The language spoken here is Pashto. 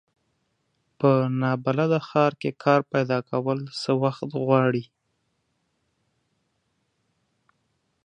په ناولده ښار کې کار پیداکول څه وخت غواړي.